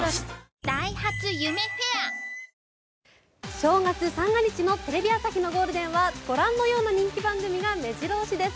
正月三が日のテレビ朝日のゴールデンはご覧のような人気番組が目白押しです。